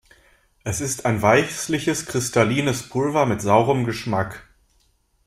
Es ist ein weißliches kristallines Pulver mit saurem Geschmack.